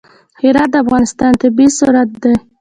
هرات د افغانستان طبعي ثروت دی.